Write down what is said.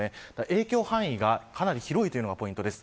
影響範囲が広いというのがポイントです。